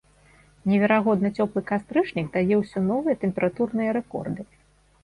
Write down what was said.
Неверагодна цёплы кастрычнік дае ўсё новыя тэмпературныя рэкорды.